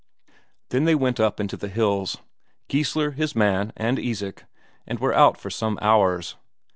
Then they went up into the hills; Geissler, his man, and Isak, and were out for some hours.